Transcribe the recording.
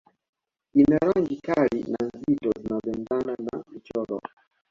Ina rangi kali na nzitu zinazoendana na michoro